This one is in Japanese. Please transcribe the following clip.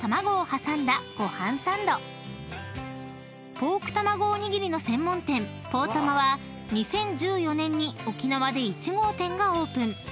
［ポークたまごおにぎりの専門店「ポーたま」は２０１４年に沖縄で１号店がオープン］